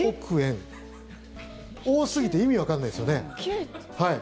多すぎて意味わかんないですよね。